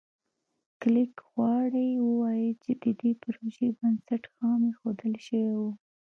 کلېک غواړي ووایي چې د دې پروژې بنسټ خام ایښودل شوی و.